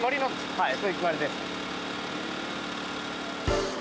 はいそういう決まりです。